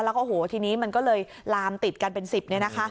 แล้วก็โอ้โหทีนี้มันก็เลยลามติดกันเป็น๑๐